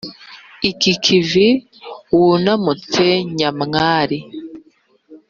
Iki kivi wunamutse nyamwari